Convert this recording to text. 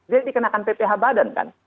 dia dikenakan pph badan kan